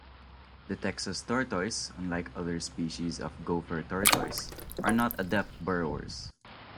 The Texas tortoise, unlike other species of gopher tortoise, are not adept burrowers.